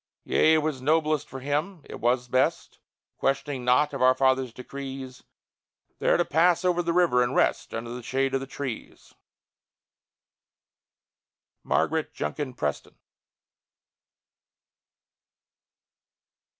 Yea, it was noblest for him it was best (Questioning naught of our Father's decrees), There to pass over the river and rest Under the shade of the trees! MARGARET JUNKIN PRESTON.